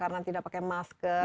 karena tidak pakai masker